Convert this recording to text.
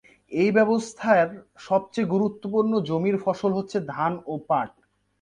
এই ব্যবস্থার সবচেয়ে গুরত্বপূর্ণ জমির ফসল হচ্ছে ধান ও পাট।